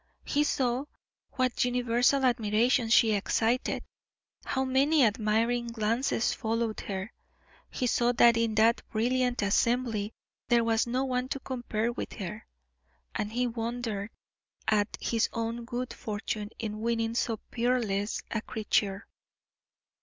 He saw what universal admiration she excited; how many admiring glances followed her; he saw that in that brilliant assembly there was no one to compare with her, and he wondered at his own good fortune in winning so peerless a creature.